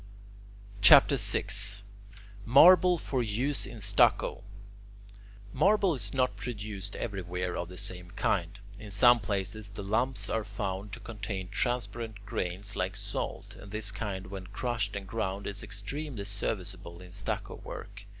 CHAPTER VI MARBLE FOR USE IN STUCCO Marble is not produced everywhere of the same kind. In some places the lumps are found to contain transparent grains like salt, and this kind when crushed and ground is extremely serviceable in stucco work.